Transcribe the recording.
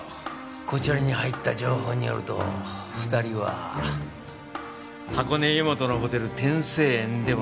こちらに入った情報によると２人は箱根湯本のホテル天成園でも数回会ってる。